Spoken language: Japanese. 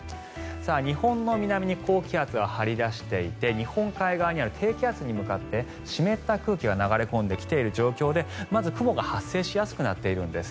日本の南に高気圧が張り出していて日本海側には低気圧に向かって湿った空気が流れ込んできている状況でまず雲が発生しやすくなっているんです。